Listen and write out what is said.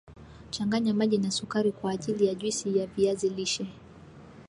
changanya maji n sukari kwaajili ya juisi yaviazi lishe